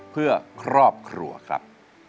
เพื่อครอบครัวครับ